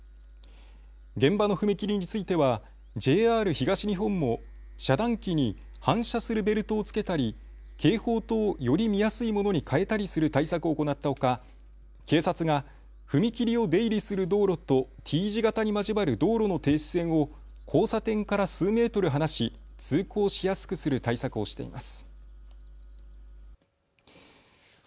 現場の踏切についてはＪＲ東日本も遮断機に反射するベルトをつけたり警報灯をより見やすいものに替えたりする対策を行ったほか警察が踏切を出入りする道路とＴ字型に交わる道路の停止線を交差点から数メートル離し通行しやすくする対策をしています。